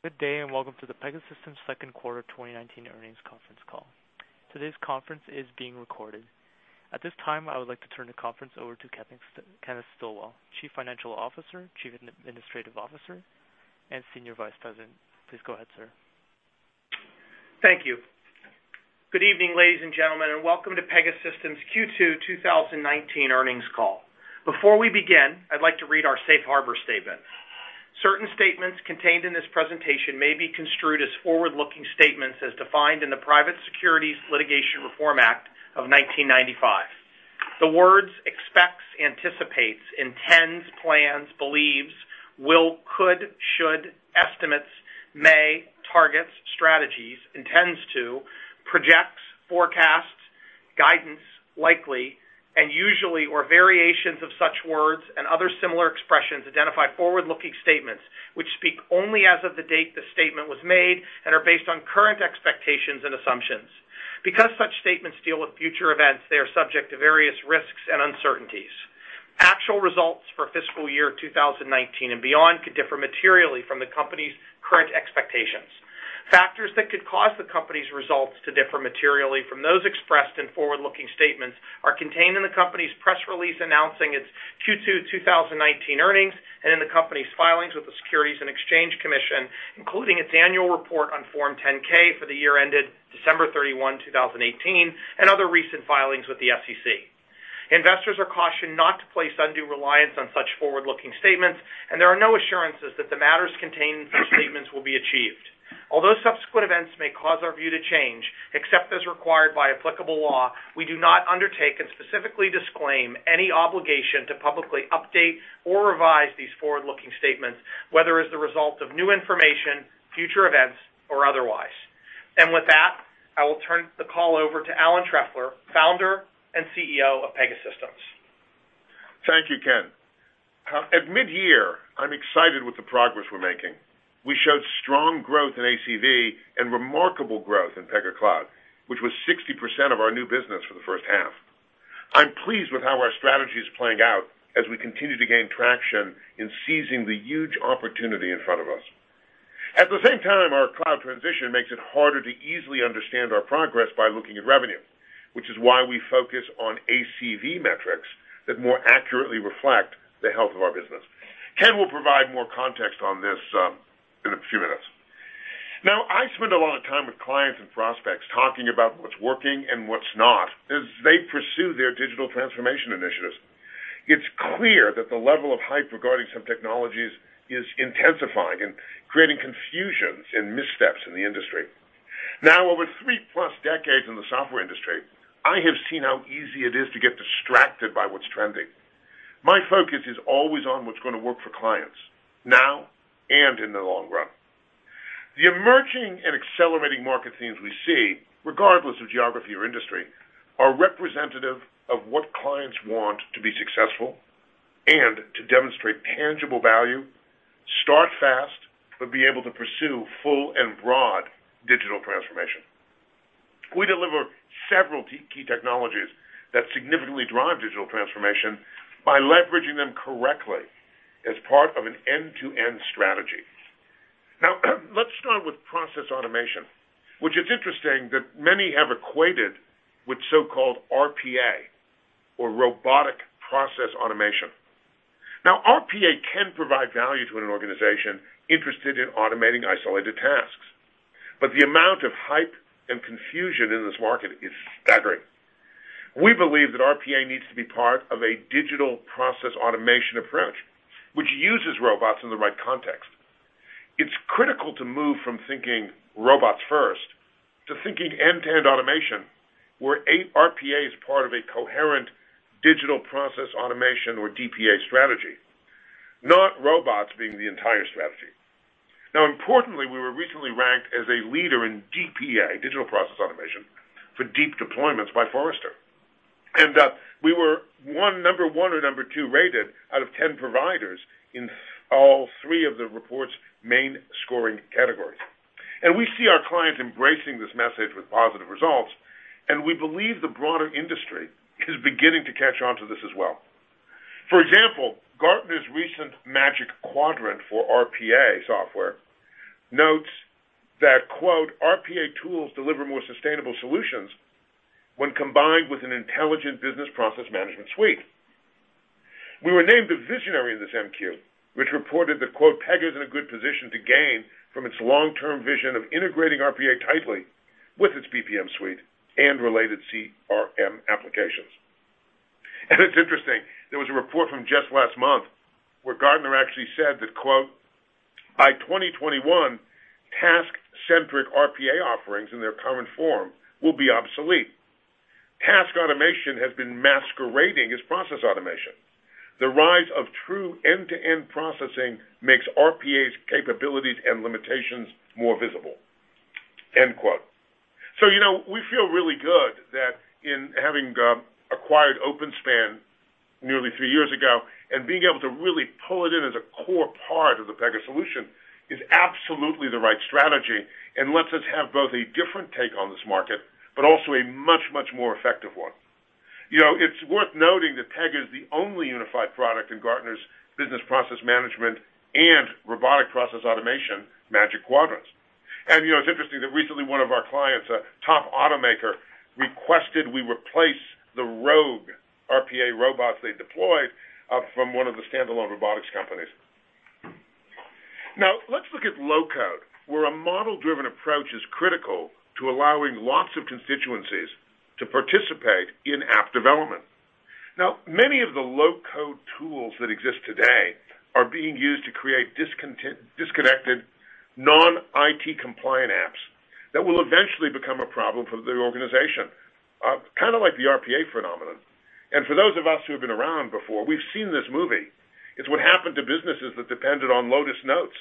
Good day, welcome to the Pegasystems second quarter 2019 earnings conference call. Today's conference is being recorded. At this time, I would like to turn the conference over to Kenneth Stillwell, Chief Financial Officer, Chief Administrative Officer, and Senior Vice President. Please go ahead, sir. Thank you. Good evening, ladies and gentlemen, and welcome to Pegasystems Q2 2019 earnings call. Before we begin, I'd like to read our safe harbor statement. Certain statements contained in this presentation may be construed as forward-looking statements as defined in the Private Securities Litigation Reform Act of 1995. The words expects, anticipates, intends, plans, believes, will, could, should, estimates, may, targets, strategies, intends to, projects, forecasts, guidance, likely, and usually, or variations of such words and other similar expressions identify forward-looking statements, which speak only as of the date the statement was made and are based on current expectations and assumptions. Because such statements deal with future events, they are subject to various risks and uncertainties. Actual results for fiscal year 2019 and beyond could differ materially from the company's current expectations. Factors that could cause the company's results to differ materially from those expressed in forward-looking statements are contained in the company's press release announcing its Q2 2019 earnings and in the company's filings with the Securities and Exchange Commission, including its annual report on Form 10-K for the year ended December 31, 2018, and other recent filings with the SEC. Investors are cautioned not to place undue reliance on such forward-looking statements, and there are no assurances that the matters contained in these statements will be achieved. Although subsequent events may cause our view to change, except as required by applicable law, we do not undertake and specifically disclaim any obligation to publicly update or revise these forward-looking statements, whether as the result of new information, future events, or otherwise. With that, I will turn the call over to Alan Trefler, Founder and CEO of Pegasystems. Thank you, Ken. At mid-year, I'm excited with the progress we're making. We showed strong growth in ACV and remarkable growth in Pega Cloud, which was 60% of our new business for the first half. I'm pleased with how our strategy is playing out as we continue to gain traction in seizing the huge opportunity in front of us. At the same time, our cloud transition makes it harder to easily understand our progress by looking at revenue, which is why we focus on ACV metrics that more accurately reflect the health of our business. Ken will provide more context on this in a few minutes. Now, I spend a lot of time with clients and prospects talking about what's working and what's not as they pursue their digital transformation initiatives. It's clear that the level of hype regarding some technologies is intensifying and creating confusions and missteps in the industry. Now, over three-plus decades in the software industry, I have seen how easy it is to get distracted by what's trending. My focus is always on what's going to work for clients now and in the long run. The emerging and accelerating market themes we see, regardless of geography or industry, are representative of what clients want to be successful and to demonstrate tangible value, start fast, but be able to pursue full and broad digital transformation. We deliver several key technologies that significantly drive digital transformation by leveraging them correctly as part of an end-to-end strategy. Now, let's start with process automation, which is interesting that many have equated with so-called RPA or robotic process automation. Now, RPA can provide value to an organization interested in automating isolated tasks. The amount of hype and confusion in this market is staggering. We believe that RPA needs to be part of a digital process automation approach, which uses robots in the right context. It's critical to move from thinking robots first to thinking end-to-end automation, where RPA is part of a coherent digital process automation or DPA strategy, not robots being the entire strategy. Importantly, we were recently ranked as a leader in DPA, digital process automation, for deep deployments by Forrester. We were number 1 or number 2 rated out of 10 providers in all 3 of the report's main scoring categories. We see our clients embracing this message with positive results, and we believe the broader industry is beginning to catch on to this as well. For example, Gartner's recent Magic Quadrant for RPA software notes that, quote, "RPA tools deliver more sustainable solutions when combined with an intelligent business process management suite." We were named a visionary in this MQ, which reported that, quote, "Pega is in a good position to gain from its long-term vision of integrating RPA tightly with its BPM suite and related CRM applications." It's interesting, there was a report from just last month where Gartner actually said that, quote, "By 2021, task-centric RPA offerings in their current form will be obsolete. Task automation has been masquerading as process automation. The rise of true end-to-end processing makes RPA's capabilities and limitations more visible." End quote. We feel really good that in having acquired OpenSpan nearly three years ago and being able to really pull it in as a core part of the Pega solution is absolutely the right strategy and lets us have both a different take on this market, but also a much, much more effective one. It's worth noting that Pega is the only unified product in Gartner's Business Process Management and Robotic Process Automation Magic Quadrants. It's interesting that recently one of our clients, a top automaker, requested we replace the rogue RPA robots they deployed from one of the standalone robotics companies. Let's look at low-code, where a model-driven approach is critical to allowing lots of constituencies to participate in app development. Many of the low-code tools that exist today are being used to create disconnected, non-IT-compliant apps that will eventually become a problem for the organization, kind of like the RPA phenomenon. For those of us who have been around before, we've seen this movie. It's what happened to businesses that depended on Lotus Notes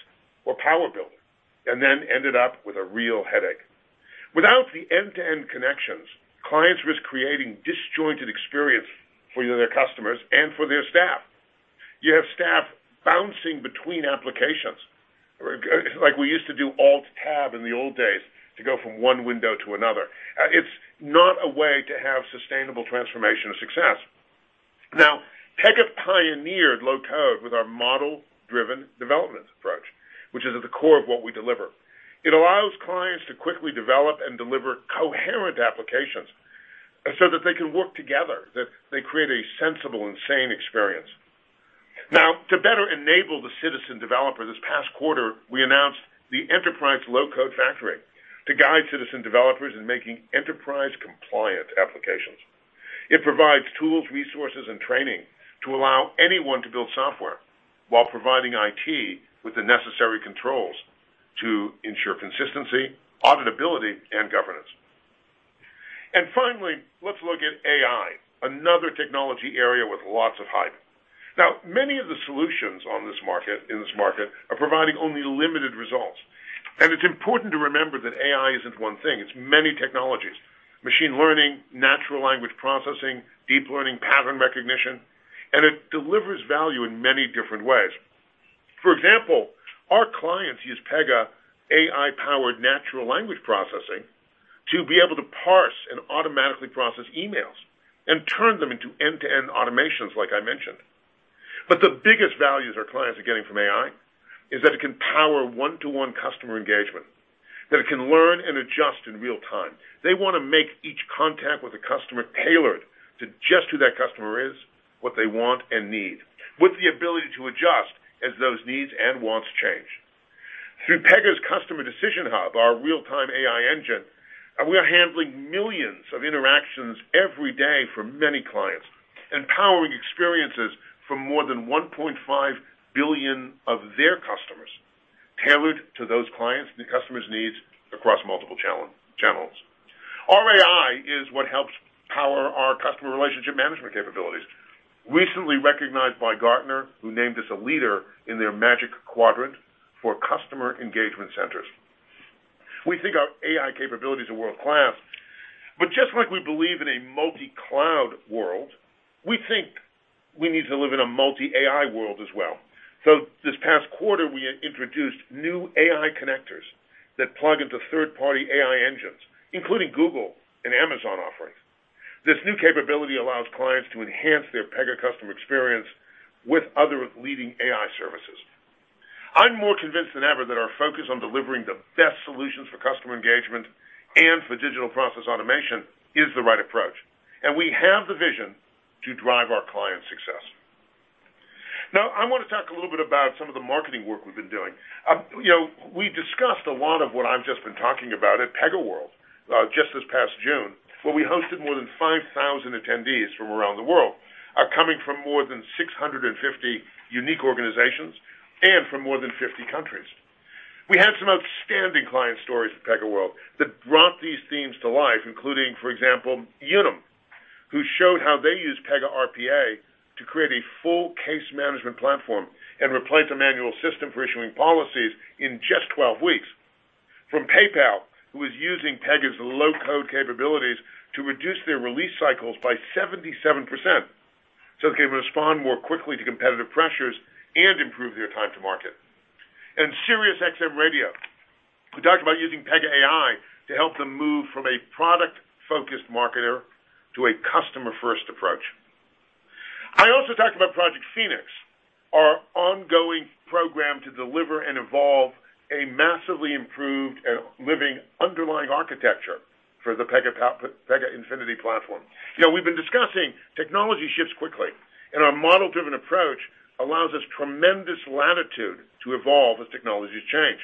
or PowerBuilder, and then ended up with a real headache. Without the end-to-end connections, clients risk creating disjointed experience for their customers and for their staff. You have staff bouncing between applications. Like we used to do Alt-Tab in the old days to go from one window to another. It's not a way to have sustainable transformation success. Pega pioneered low-code with our model-driven development approach, which is at the core of what we deliver. It allows clients to quickly develop and deliver coherent applications so that they can work together, that they create a sensible and sane experience. To better enable the citizen developer, this past quarter, we announced the Enterprise Low-Code Factory to guide citizen developers in making enterprise-compliant applications. It provides tools, resources, and training to allow anyone to build software while providing IT with the necessary controls to ensure consistency, auditability, and governance. Finally, let's look at AI, another technology area with lots of hype. Many of the solutions in this market are providing only limited results, and it's important to remember that AI isn't one thing. It's many technologies, machine learning, natural language processing, deep learning, pattern recognition, and it delivers value in many different ways. For example, our clients use Pega AI-powered natural language processing to be able to parse and automatically process emails and turn them into end-to-end automations, like I mentioned. The biggest values our clients are getting from AI is that it can power one-to-one customer engagement, that it can learn and adjust in real time. They want to make each contact with a customer tailored to just who that customer is, what they want and need, with the ability to adjust as those needs and wants change. Through Pega's Customer Decision Hub, our real-time AI engine, we are handling millions of interactions every day for many clients, and powering experiences for more than 1.5 billion of their customers, tailored to those clients and the customers' needs across multiple channels. Our AI is what helps power our customer relationship management capabilities, recently recognized by Gartner, who named us a leader in their Magic Quadrant for Customer Engagement Centers. We think our AI capabilities are world-class, but just like we believe in a multi-cloud world, we think we need to live in a multi-AI world as well. This past quarter, we introduced new AI connectors that plug into third-party AI engines, including Google and Amazon offerings. This new capability allows clients to enhance their Pega customer experience with other leading AI services. I'm more convinced than ever that our focus on delivering the best solutions for customer engagement and for digital process automation is the right approach, and we have the vision to drive our clients' success. Now, I want to talk a little bit about some of the marketing work we've been doing. We discussed a lot of what I've just been talking about at PegaWorld, just this past June, where we hosted more than 5,000 attendees from around the world, coming from more than 650 unique organizations and from more than 50 countries. We had some outstanding client stories at PegaWorld that brought these themes to life, including, for example, Unum, who showed how they used Pega RPA to create a full case management platform and replace a manual system for issuing policies in just 12 weeks. From PayPal, who is using Pega's low-code capabilities to reduce their release cycles by 77%, they can respond more quickly to competitive pressures and improve their time to market. SiriusXM Radio, who talked about using Pega AI to help them move from a product-focused marketer to a customer-first approach. I also talked about Project Phoenix, our ongoing program to deliver and evolve a massively improved living underlying architecture for the Pega Infinity platform. Our model-driven approach allows us tremendous latitude to evolve as technologies change.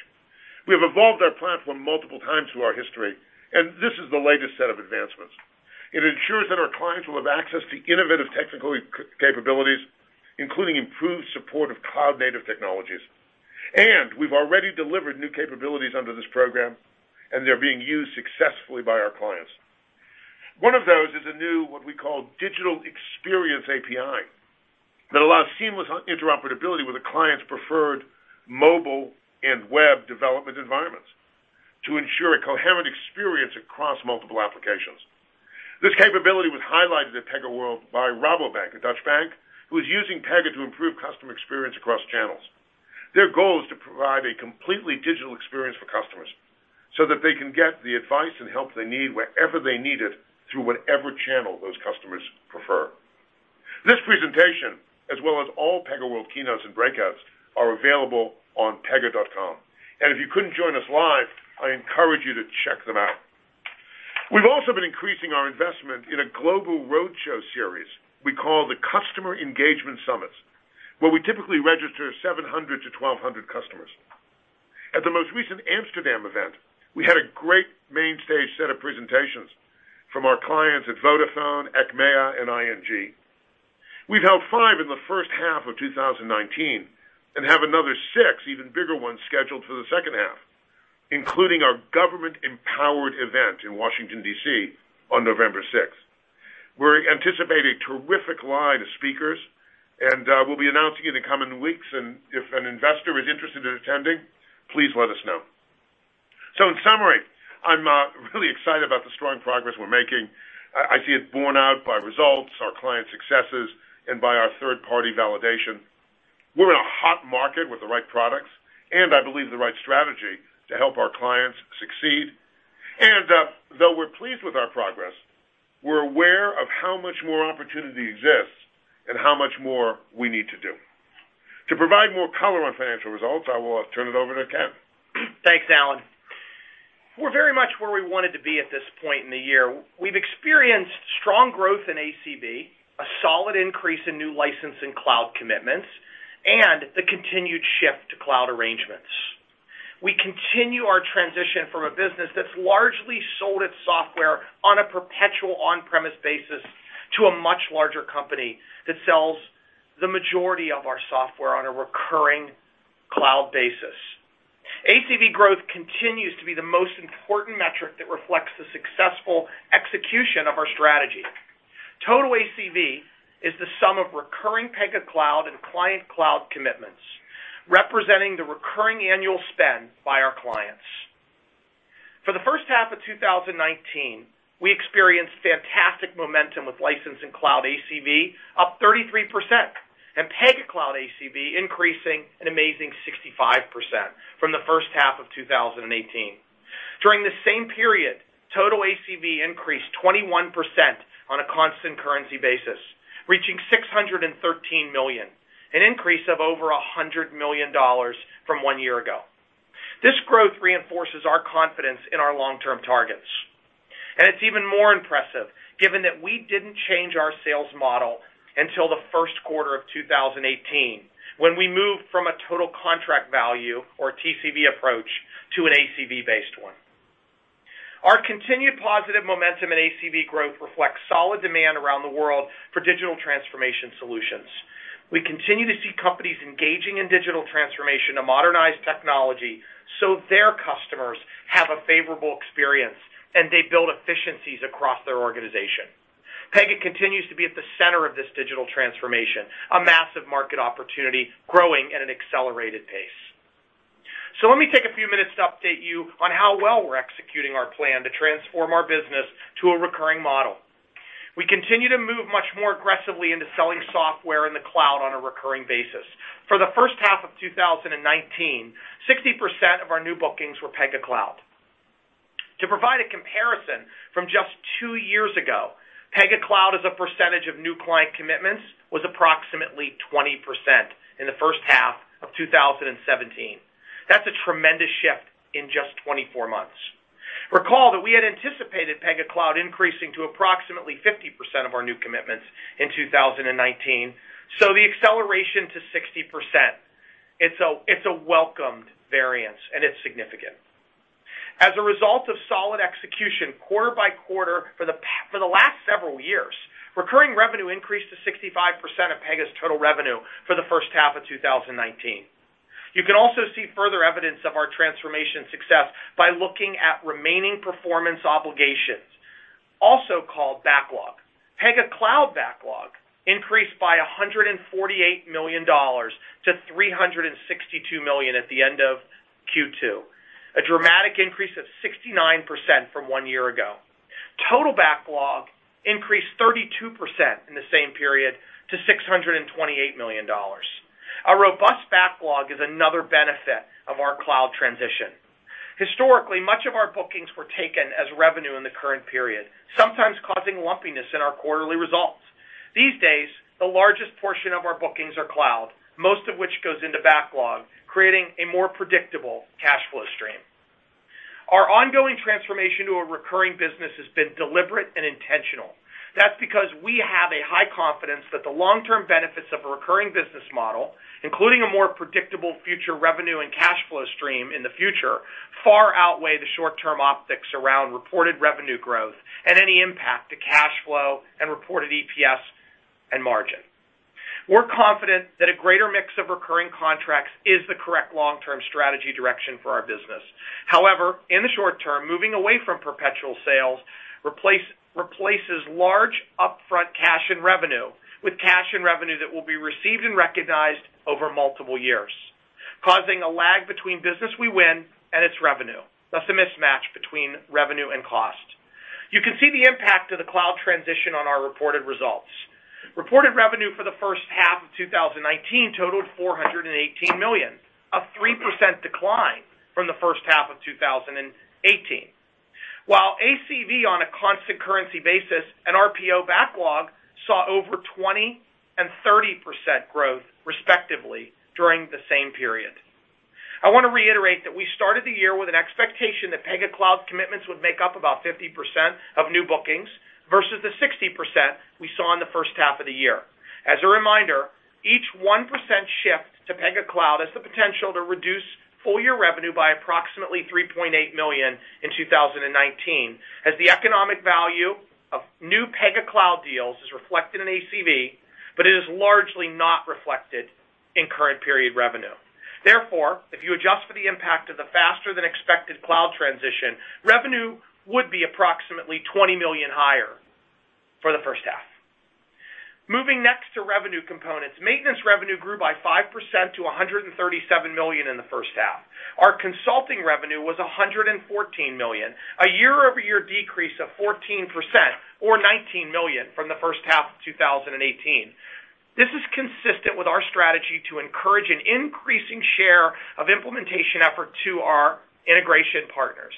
We have evolved our platform multiple times through our history, and this is the latest set of advancements. It ensures that our clients will have access to innovative technical capabilities, including improved support of cloud-native technologies. We've already delivered new capabilities under this program, and they're being used successfully by our clients. One of those is a new, what we call, Digital Experience API that allows seamless interoperability with a client's preferred mobile and web development environments to ensure a coherent experience across multiple applications. This capability was highlighted at PegaWorld by Rabobank, a Dutch bank, who is using Pega to improve customer experience across channels. Their goal is to provide a completely digital experience for customers. That they can get the advice and help they need wherever they need it through whatever channel those customers prefer. This presentation, as well as all PegaWorld keynotes and breakouts, are available on pega.com. If you couldn't join us live, I encourage you to check them out. We've also been increasing our investment in a global roadshow series we call the Customer Engagement Summits, where we typically register 700 to 1,200 customers. At the most recent Amsterdam event, we had a great main stage set of presentations from our clients at Vodafone, ECMEA, and ING. We've held five in the first half of 2019 and have another six, even bigger ones, scheduled for the second half, including our government-empowered event in Washington, D.C., on November 6th. We anticipate a terrific line of speakers. We'll be announcing in the coming weeks. If an investor is interested in attending, please let us know. In summary, I'm really excited about the strong progress we're making. I see it borne out by results, our clients' successes, and by our third-party validation. We're in a hot market with the right products and, I believe, the right strategy to help our clients succeed. Though we're pleased with our progress, we're aware of how much more opportunity exists and how much more we need to do. To provide more color on financial results, I will turn it over to Ken. Thanks, Alan. We're very much where we wanted to be at this point in the year. We've experienced strong growth in ACV, a solid increase in new license and cloud commitments, and the continued shift to cloud arrangements. We continue our transition from a business that's largely sold its software on a perpetual on-premise basis to a much larger company that sells the majority of our software on a recurring cloud basis. ACV growth continues to be the most important metric that reflects the successful execution of our strategy. Total ACV is the sum of recurring Pega Cloud and client cloud commitments, representing the recurring annual spend by our clients. For the first half of 2019, we experienced fantastic momentum with license and cloud ACV up 33%, and Pega Cloud ACV increasing an amazing 65% from the first half of 2018. During the same period, total ACV increased 21% on a constant currency basis, reaching $613 million, an increase of over $100 million from one year ago. This growth reinforces our confidence in our long-term targets, and it's even more impressive given that we didn't change our sales model until the first quarter of 2018 when we moved from a total contract value or TCV approach to an ACV-based one. Our continued positive momentum and ACV growth reflects solid demand around the world for digital transformation solutions. We continue to see companies engaging in digital transformation to modernize technology so their customers have a favorable experience and they build efficiencies across their organization. Pega continues to be at the center of this digital transformation, a massive market opportunity growing at an accelerated pace. Let me take a few minutes to update you on how well we're executing our plan to transform our business to a recurring model. We continue to move much more aggressively into selling software in the cloud on a recurring basis. For the first half of 2019, 60% of our new bookings were Pega Cloud. To provide a comparison from just two years ago, Pega Cloud as a percentage of new client commitments was approximately 20% in the first half of 2017. That's a tremendous shift in just 24 months. Recall that we had anticipated Pega Cloud increasing to approximately 50% of our new commitments in 2019, so the acceleration to 60%, it's a welcomed variance, and it's significant. As a result of solid execution quarter by quarter for the last several years, recurring revenue increased to 65% of Pega's total revenue for the first half of 2019. You can also see further evidence of our transformation success by looking at remaining performance obligations, also called backlog. Pega Cloud backlog increased by $148 million to $362 million at the end of Q2, a dramatic increase of 69% from one year ago. Total backlog increased 32% in the same period to $628 million. Our robust backlog is another benefit of our cloud transition. Historically, much of our bookings were taken as revenue in the current period, sometimes causing lumpiness in our quarterly results. These days, the largest portion of our bookings are cloud, most of which goes into backlog, creating a more predictable cash flow stream. Our ongoing transformation to a recurring business has been deliberate and intentional. That's because we have a high confidence that the long-term benefits of a recurring business model, including a more predictable future revenue and cash flow stream in the future, far outweigh the short-term optics around reported revenue growth and any impact to cash flow and reported EPS and margin. We're confident that a greater mix of recurring contracts is the correct long-term strategy direction for our business. However, in the short term, moving away from perpetual sales replaces large upfront cash and revenue with cash and revenue that will be received and recognized over multiple years, causing a lag between business we win and its revenue. That's a mismatch between revenue and cost. You can see the impact of the cloud transition on our reported results. Reported revenue for the first half of 2019 totaled $418 million, a 3% decline from the first half of 2018. While ACV on a constant currency basis and RPO backlog saw over 20% and 30% growth respectively during the same period. I want to reiterate that we started the year with an expectation that Pega Cloud commitments would make up about 50% of new bookings versus the 60% we saw in the first half of the year. As a reminder, each 1% shift to Pega Cloud has the potential to reduce full-year revenue by approximately $3.8 million in 2019, as the economic value of new Pega Cloud deals is reflected in ACV, but it is largely not reflected in current period revenue. Therefore, if you adjust for the impact of the faster than expected cloud transition, revenue would be approximately $20 million higher for the first half. Moving next to revenue components. Maintenance revenue grew by 5% to $137 million in the first half. Our consulting revenue was $114 million, a year-over-year decrease of 14%, or $19 million from the first half of 2018. This is consistent with our strategy to encourage an increasing share of implementation effort to our integration partners.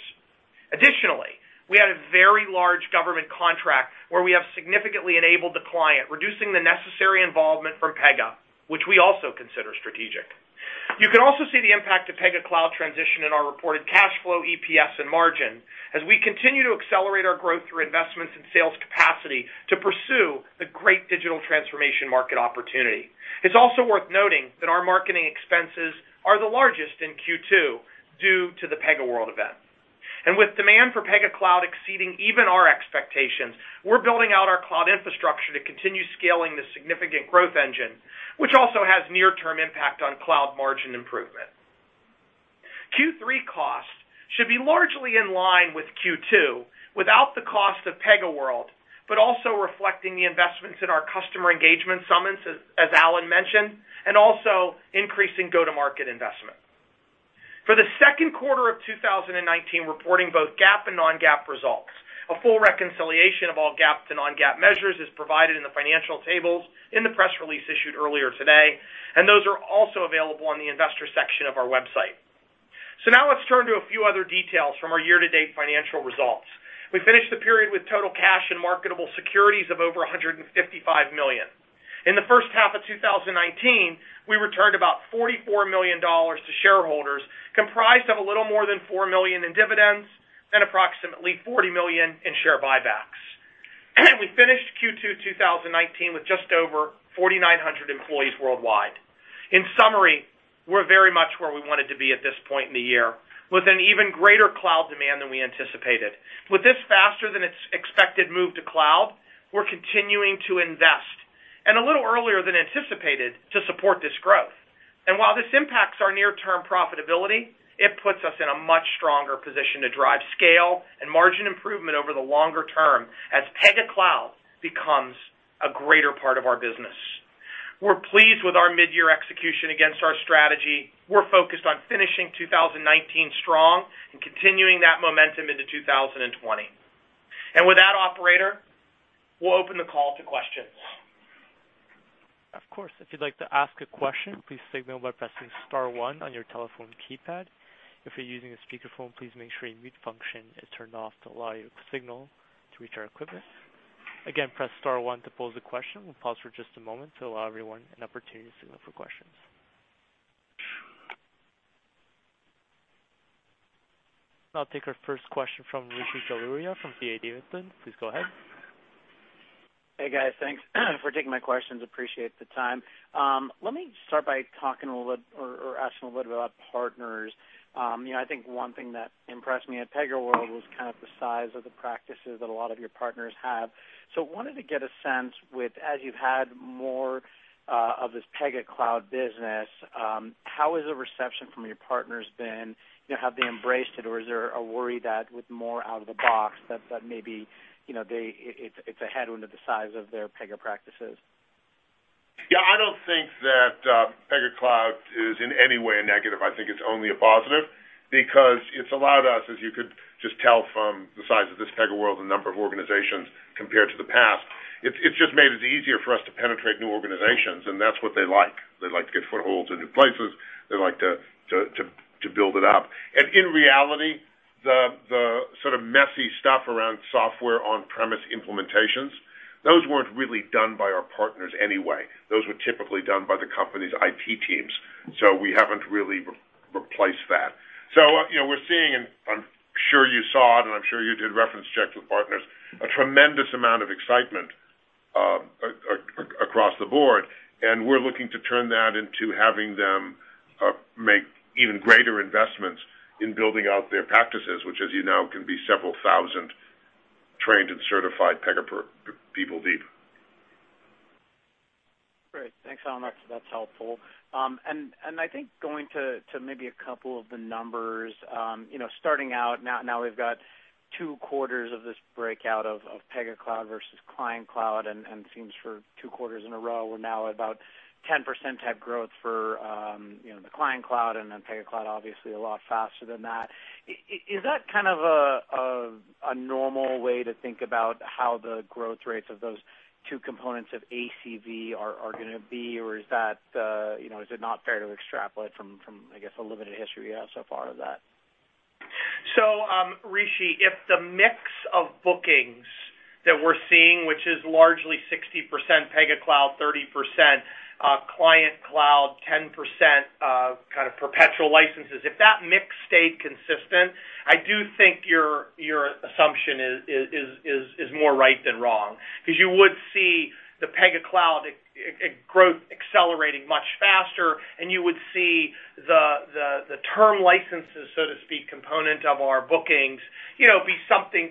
Additionally, we had a very large government contract where we have significantly enabled the client, reducing the necessary involvement from Pega, which we also consider strategic. You can also see the impact of Pega Cloud transition in our reported cash flow, EPS, and margin as we continue to accelerate our growth through investments in sales capacity to pursue the great digital transformation market opportunity. It's also worth noting that our marketing expenses are the largest in Q2 due to the PegaWorld event. With demand for Pega Cloud exceeding even our expectations, we're building out our cloud infrastructure to continue scaling this significant growth engine, which also has near-term impact on cloud margin improvement. Q3 costs should be largely in line with Q2 without the cost of PegaWorld, but also reflecting the investments in our Customer Engagement Summits, as Alan mentioned, and also increasing go-to-market investment. For the second quarter of 2019, reporting both GAAP and non-GAAP results, a full reconciliation of all GAAP to non-GAAP measures is provided in the financial tables in the press release issued earlier today, and those are also available on the investor section of our website. Now let's turn to a few other details from our year-to-date financial results. We finished the period with total cash and marketable securities of over $155 million. In the first half of 2019, we returned about $44 million to shareholders, comprised of a little more than $4 million in dividends and approximately $40 million in share buybacks. We finished Q2 2019 with just over 4,900 employees worldwide. In summary, we're very much where we wanted to be at this point in the year, with an even greater cloud demand than we anticipated. With this faster than expected move to cloud, we're continuing to invest a little earlier than anticipated to support this growth. While this impacts our near-term profitability, it puts us in a much stronger position to drive scale and margin improvement over the longer term as Pega Cloud becomes a greater part of our business. We're pleased with our mid-year execution against our strategy. We're focused on finishing 2019 strong and continuing that momentum into 2020. With that, operator, we'll open the call to questions. Of course. If you'd like to ask a question, please signal by pressing *1 on your telephone keypad. If you're using a speakerphone, please make sure your mute function is turned off to allow your signal to reach our equipment. Again, press *1 to pose a question. We'll pause for just a moment to allow everyone an opportunity to signal for questions. I'll take our first question from Rishi Jaluria from D.A. Davidson. Please go ahead. Hey, guys. Thanks for taking my questions. Appreciate the time. Let me start by asking a little bit about partners. I think one thing that impressed me at PegaWorld was kind of the size of the practices that a lot of your partners have. Wanted to get a sense with, as you've had more of this Pega Cloud business, how has the reception from your partners been? Have they embraced it, or is there a worry that with more out of the box that maybe it's a headwind of the size of their Pega practices? Yeah, I don't think that Pega Cloud is in any way a negative. I think it's only a positive because it's allowed us, as you could just tell from the size of this PegaWorld, the number of organizations compared to the past, it's just made it easier for us to penetrate new organizations. That's what they like. They like to get footholds in new places. They like to build it up. In reality, the sort of messy stuff around software on-premise implementations, those weren't really done by our partners anyway. Those were typically done by the company's IT teams. We haven't really replaced that. We're seeing, and I'm sure you saw it, and I'm sure you did reference checks with partners, a tremendous amount of excitement across the board, and we're looking to turn that into having them make even greater investments in building out their practices, which, as you know, can be several thousand trained and certified Pega people deep. Great. Thanks, Alan. That's helpful. I think going to maybe a couple of the numbers, starting out now we've got two quarters of this breakout of Pega Cloud versus Client-managed cloud, and it seems for two quarters in a row, we're now at about 10% type growth for the Client-managed cloud, and then Pega Cloud, obviously, a lot faster than that. Is that a normal way to think about how the growth rates of those two components of ACV are going to be, or is it not fair to extrapolate from, I guess, a limited history you have so far of that? Rishi, if the mix of bookings that we're seeing, which is largely 60% Pega Cloud, 30% Client-managed cloud, 10% perpetual licenses, if that mix stayed consistent, I do think your assumption is more right than wrong. Because you would see the Pega Cloud growth accelerating much faster, and you would see the term licenses, so to speak, component of our bookings, be something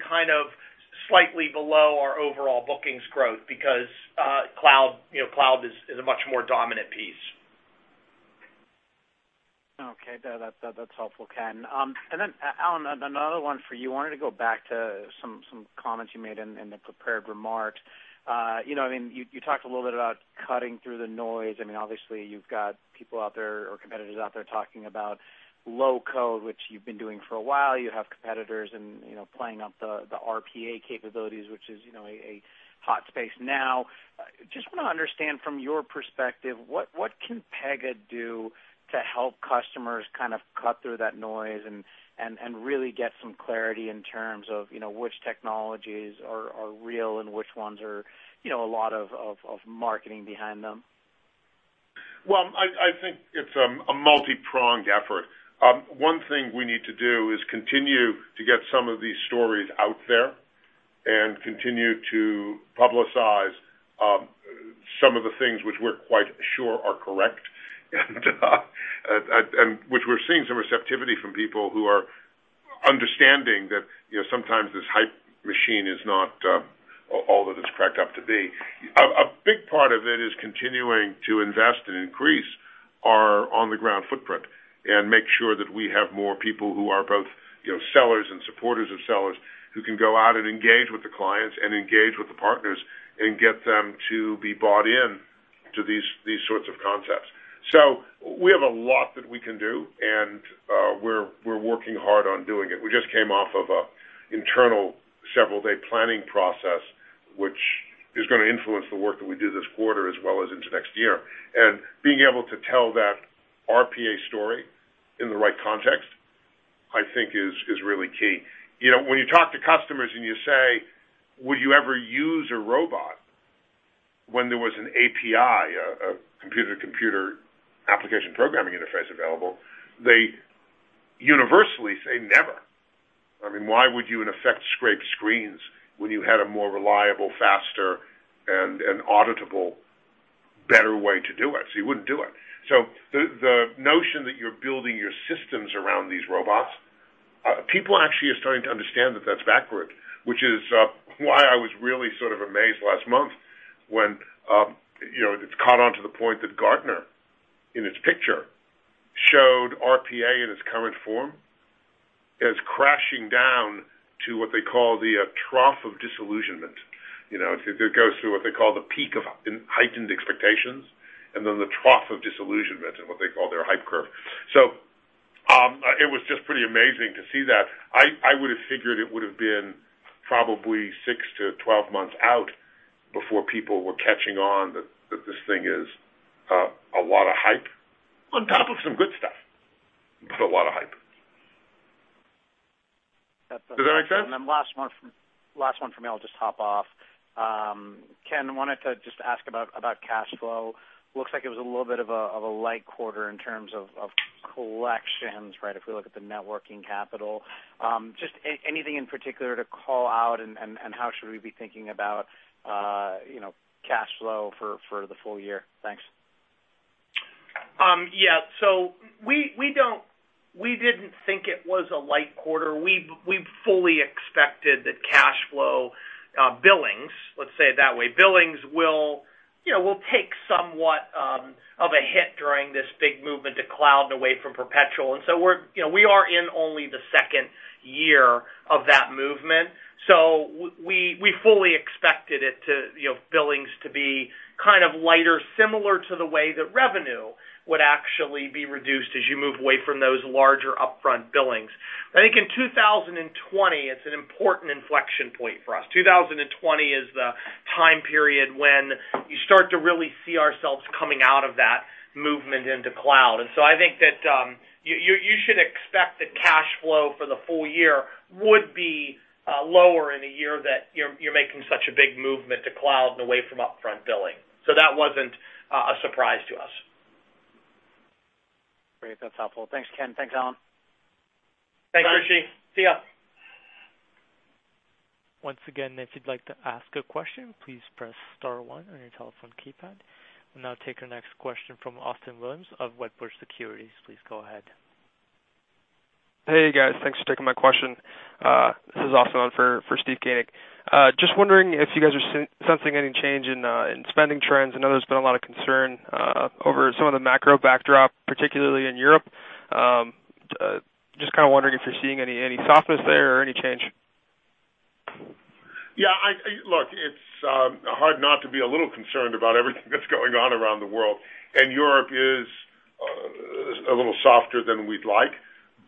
slightly below our overall bookings growth because cloud is a much more dominant piece. Okay. That's helpful, Ken. Alan, another one for you. I wanted to go back to some comments you made in the prepared remarks. You talked a little bit about cutting through the noise. Obviously, you've got people out there or competitors out there talking about low code, which you've been doing for a while. You have competitors playing up the RPA capabilities, which is a hot space now. Just want to understand from your perspective, what can Pega do to help customers cut through that noise and really get some clarity in terms of which technologies are real and which ones are a lot of marketing behind them? Well, I think it's a multi-pronged effort. One thing we need to do is continue to get some of these stories out there and continue to publicize some of the things which we're quite sure are correct, and which we're seeing some receptivity from people who are understanding that sometimes this hype machine is not all that it's cracked up to be. A big part of it is continuing to invest and increase our on-the-ground footprint and make sure that we have more people who are both sellers and supporters of sellers who can go out and engage with the clients and engage with the partners and get them to be bought in to these sorts of concepts. We have a lot that we can do, and we're working hard on doing it. We just came off of an internal several-day planning process, which is going to influence the work that we do this quarter as well as into next year. Being able to tell that RPA story in the right context, I think, is really key. When you talk to customers and you say, "Would you ever use a robot when there was an API, a computer-to-computer application programming interface available?" They universally say never. Why would you, in effect, scrape screens when you had a more reliable, faster, and auditable better way to do it? You wouldn't do it. The notion that you're building your systems around these robots, people actually are starting to understand that that's backward, which is why I was really amazed last month when it's caught on to the point that Gartner, in its picture, showed RPA in its current form as crashing down to what they call the trough of disillusionment. It goes through what they call the peak of heightened expectations, and then the trough of disillusionment in what they call their hype curve. It was just pretty amazing to see that. I would have figured it would have been probably six to 12 months out before people were catching on that this thing is a lot of hype on top of some good stuff, but a lot of hype. Does that make sense? Last one from me, I'll just hop off. Ken, wanted to just ask about cash flow. Looks like it was a little bit of a light quarter in terms of collections, right, if we look at the networking capital. Just anything in particular to call out and how should we be thinking about cash flow for the full year? Thanks. We didn't think it was a light quarter. We fully expected that cash flow billings, let's say it that way, billings will take somewhat of a hit during this big movement to cloud and away from perpetual. We are in only the second year of that movement, we fully expected billings to be lighter, similar to the way that revenue would actually be reduced as you move away from those larger upfront billings. I think in 2020, it's an important inflection point for us. 2020 is the time period when you start to really see ourselves coming out of that movement into cloud. I think that you should expect that cash flow for the full year would be lower in a year that you're making such a big movement to cloud and away from upfront billing. That wasn't a surprise to us. Great. That's helpful. Thanks, Ken. Thanks, Alan. Thanks, Rishi. See ya. Once again, if you'd like to ask a question, please press star one on your telephone keypad. We'll now take our next question from Austin Williams of Wedbush Securities. Please go ahead. Hey, guys. Thanks for taking my question. This is Austin on for Steve Koenig. Wondering if you guys are sensing any change in spending trends. I know there's been a lot of concern over some of the macro backdrop, particularly in Europe. Wondering if you're seeing any softness there or any change. Look, it's hard not to be a little concerned about everything that's going on around the world, and Europe is a little softer than we'd like.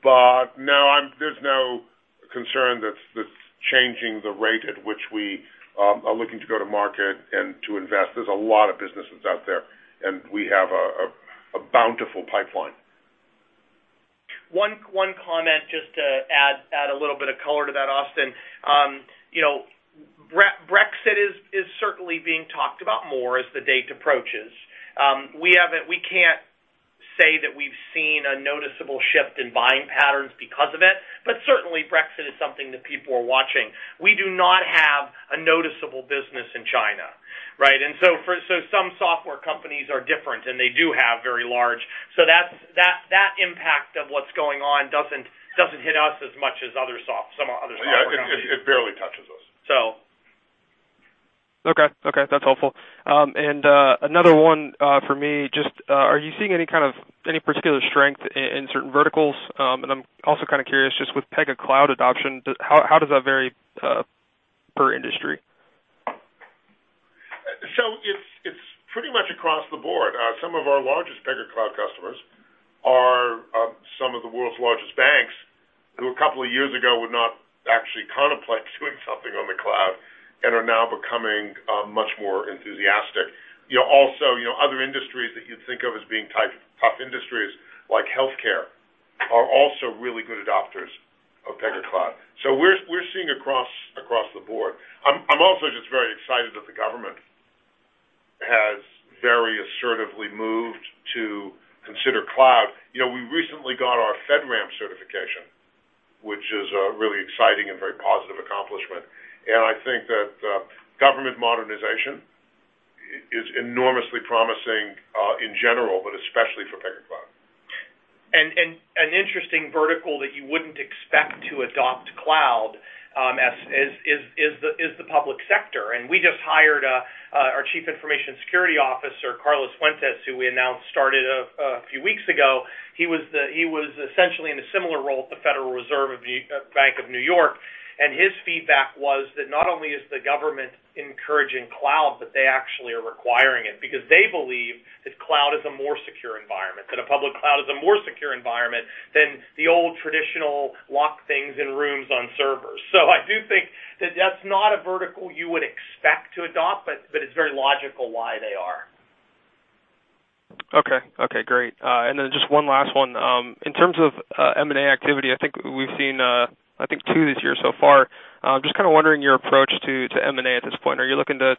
No, there's no concern that's changing the rate at which we are looking to go to market and to invest. There's a lot of businesses out there, and we have a bountiful pipeline. One comment just to add a little bit of color to that, Austin. Brexit is certainly being talked about more as the date approaches. We can't say that we've seen a noticeable shift in buying patterns because of it, but certainly Brexit is something that people are watching. We do not have a noticeable business in China, right? Some software companies are different, and they do have very large. That impact of what's going on doesn't hit us as much as some other software companies. Yeah. It barely touches us. So. Okay. That's helpful. Another one for me, just are you seeing any particular strength in certain verticals? I'm also kind of curious just with Pega Cloud adoption, how does that vary per industry? It's pretty much across the board. Some of our largest Pega Cloud customers are some of the world's largest banks, who a couple of years ago would not actually contemplate doing something on the cloud and are now becoming much more enthusiastic. Other industries that you'd think of as being tough industries, like healthcare, are also really good adopters of Pega Cloud. We're seeing across the board. I'm also just very excited that the government has very assertively moved to consider cloud. We recently got our FedRAMP certification, which is a really exciting and very positive accomplishment. I think that government modernization is enormously promising in general, but especially for Pega Cloud. An interesting vertical that you wouldn't expect to adopt cloud, is the public sector. We just hired our Chief Information Security Officer, Carlos Fuentess, who we announced started a few weeks ago. He was essentially in a similar role at the Federal Reserve Bank of New York. His feedback was that not only is the government encouraging cloud, but they actually are requiring it because they believe that cloud is a more secure environment, that a public cloud is a more secure environment than the old traditional lock things in rooms on servers. I do think that that's not a vertical you would expect to adopt, but it's very logical why they are. Okay, great. Just one last one. In terms of M&A activity, I think we've seen two this year so far. Just kind of wondering your approach to M&A at this point. Are you looking to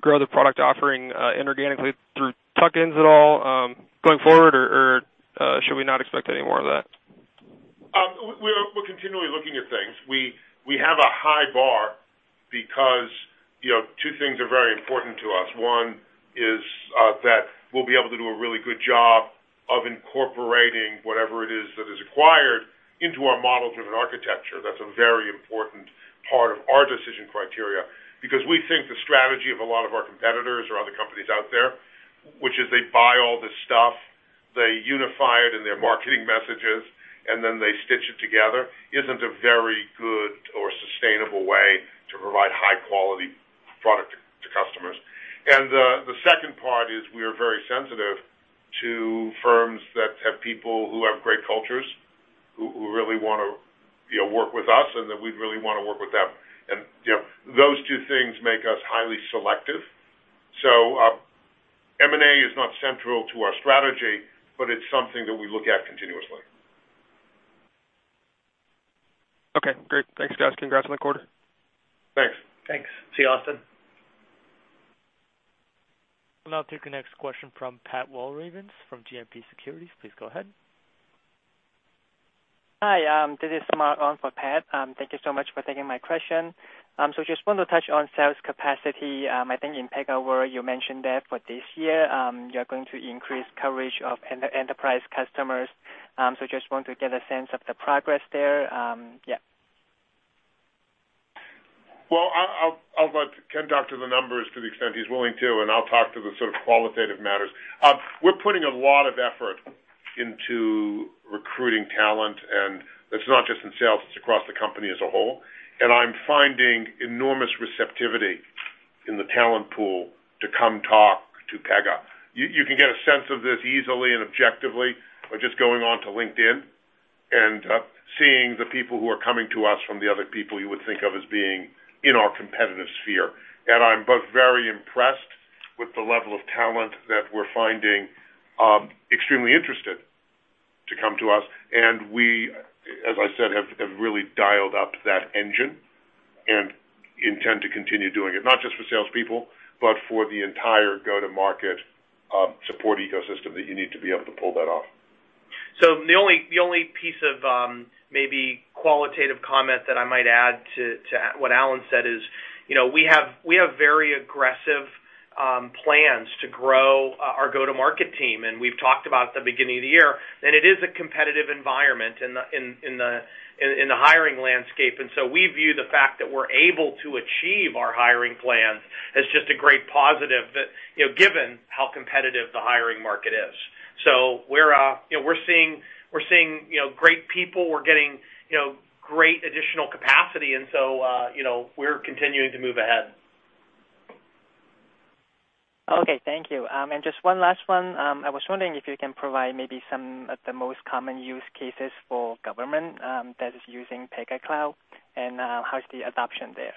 grow the product offering inorganically through tuck-ins at all going forward, or should we not expect any more of that? We're continually looking at things. We have a high bar because two things are very important to us. One is that we'll be able to do a really good job of incorporating whatever it is that is acquired into our model-driven architecture. That's a very important part of our decision criteria, because we think the strategy of a lot of our competitors or other companies out there, which is they buy all this stuff, they unify it in their marketing messages, and then they stitch it together, isn't a very good or sustainable way to provide high-quality product to customers. The second part is we are very sensitive to firms that have people who have great cultures, who really want to work with us, and that we'd really want to work with them. Those two things make us highly selective. M&A is not central to our strategy, but it's something that we look at continuously. Okay, great. Thanks, guys. Congrats on the quarter. Thanks. Thanks. See you, Steve. I'll now take the next question from Pat Walravens from JMP Securities. Please go ahead. Hi, this is Samar on for Pat. Thank you so much for taking my question. Just want to touch on sales capacity. I think in PegaWorld, you mentioned that for this year, you're going to increase coverage of enterprise customers. Just want to get a sense of the progress there. Yeah. Well, I'll let Ken talk to the numbers to the extent he's willing to, and I'll talk to the sort of qualitative matters. We're putting a lot of effort into recruiting talent, and it's not just in sales, it's across the company as a whole. I'm finding enormous receptivity in the talent pool to come talk to Pega. You can get a sense of this easily and objectively by just going onto LinkedIn and seeing the people who are coming to us from the other people you would think of as being in our competitive sphere. I'm both very impressed with the level of talent that we're finding extremely interested to come to us, and we, as I said, have really dialed up that engine and intend to continue doing it, not just for salespeople, but for the entire go-to-market support ecosystem that you need to be able to pull that off. The only piece of maybe qualitative comment that I might add to what Alan said is we have very aggressive plans to grow our go-to-market team, and we've talked about at the beginning of the year that it is a competitive environment in the hiring landscape. We view the fact that we're able to achieve our hiring plans as just a great positive given how competitive the hiring market is. We're seeing great people. We're getting great additional capacity. We're continuing to move ahead. Okay. Thank you. Just one last one. I was wondering if you can provide maybe some of the most common use cases for government that is using Pega Cloud, and how is the adoption there?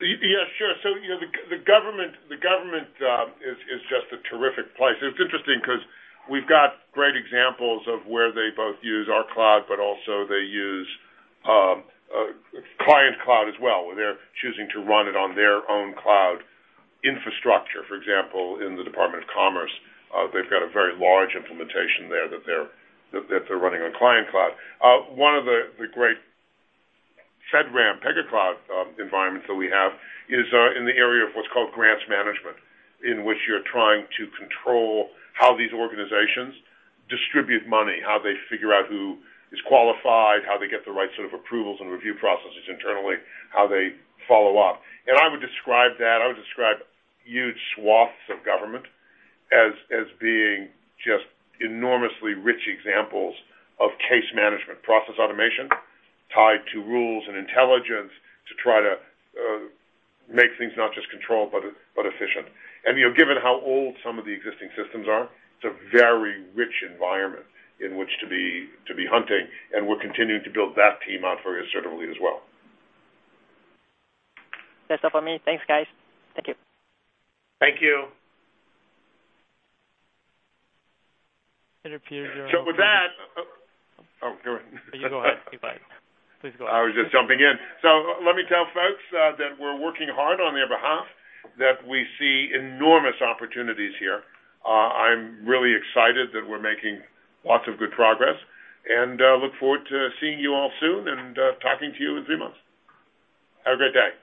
Yeah, sure. The government is just a terrific place. It's interesting because we've got great examples of where they both use our cloud, but also they use Client cloud as well, where they're choosing to run it on their own cloud infrastructure. For example, in the Department of Commerce, they've got a very large implementation there that they're running on Client cloud. One of the great FedRAMP Pega Cloud environments that we have is in the area of what's called grants management, in which you're trying to control how these organizations distribute money, how they figure out who is qualified, how they get the right sort of approvals and review processes internally, how they follow up. I would describe that, I would describe huge swaths of government as being just enormously rich examples of case management process automation tied to rules and intelligence to try to make things not just controlled, but efficient. Given how old some of the existing systems are, it's a very rich environment in which to be hunting, and we're continuing to build that team out for Assertively as well. That's all for me. Thanks, guys. Thank you. Thank you. Peter, With that. You go ahead. Please go ahead. I was just jumping in. Let me tell folks that we're working hard on their behalf, that we see enormous opportunities here. I'm really excited that we're making lots of good progress, and look forward to seeing you all soon and talking to you in three months. Have a great day.